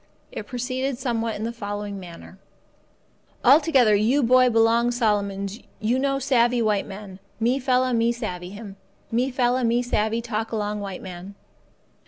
It proceeded somewhat in the following manner: "Altogether you boy belong Solomons you no savvee white man. Me fella me savvee him. Me fella me savvee talk along white man.